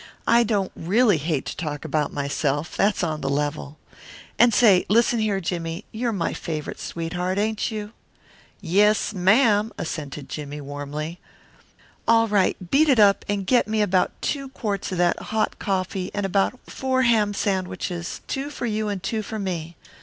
I don't really hate to talk about myself that's on the level. And say, listen here, Jimmie, you're my favourite sweetheart, ain't you?" "Yes, ma'am," assented Jimmie, warmly. "All right. Beat it up and get me about two quarts of that hot coffee and about four ham sandwiches, two for you and two for me.